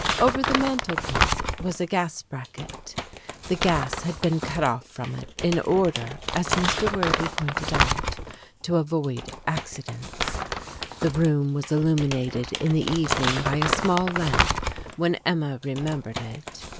Over the mantelpiece was a gas bracket. The gas had been cut off from it in order (as Mr. Worthy pointed out) to avoid accidents. The room was illuminated in the evening by a small lamp when Emma remembered it.